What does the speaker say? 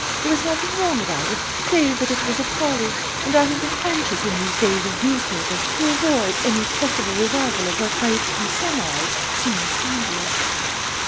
There was nothing wrong about it, save that it was a folly, and I have been anxious in these days of newspapers to avoid any possible revival of what might in some eyes seem scandalous."